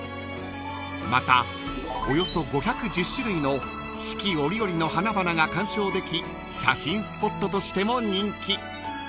［またおよそ５１０種類の四季折々の花々が観賞でき写真スポットとしても人気］